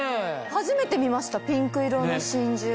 初めて見ましたピンク色の真珠。